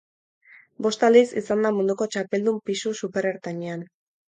Bost aldiz izan da munduko txapeldun pisu superertainean.